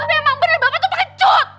emang bener bapak tuh pake cut